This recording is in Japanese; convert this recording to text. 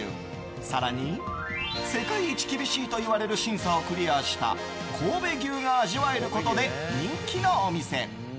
更に、世界一厳しいといわれる審査をクリアした神戸牛が味わえることで人気のお店。